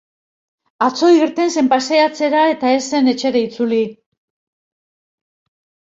Atzo irten zen paseatzera eta ez zen etxera itzuli.